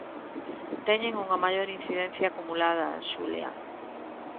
Teñen unha maior incidencia acumulada, Xulia.